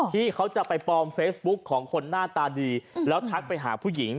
ที่เขาจะไปปลอมเฟซบุ๊คของคนหน้าตาดีแล้วทักไปหาผู้หญิง